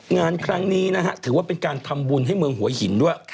งานครั้งนี้นะฮะถือว่าเป็นการทำบุญให้เมืองหัวหินด้วย